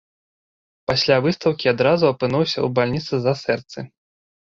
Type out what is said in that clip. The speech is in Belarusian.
Пасля выстаўкі адразу апынуўся ў бальніцы з-за сэрцы.